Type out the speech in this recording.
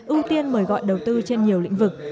ưu tiên mời gọi đầu tư trên nhiều lĩnh vực